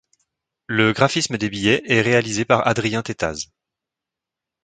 Le graphisme des billets est réalisé par Adrien Thétaz.